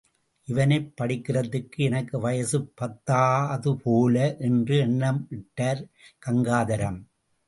இவனைப் படிக்கிறதுக்கு எனக்கு வயசு பத்தாது போல! என்று எண்ணமிட்டார் கங்காதரம்.